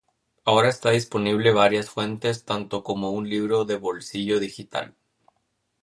Ahora está disponible varias fuentes tanto como un libro de bolsillo y digital.